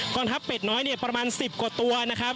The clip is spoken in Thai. ทัพเป็ดน้อยเนี่ยประมาณ๑๐กว่าตัวนะครับ